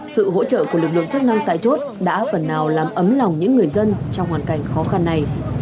sự hỗ trợ của lực lượng chức năng tại chốt đã phần nào làm ấm lòng những người dân trong hoàn cảnh khó khăn này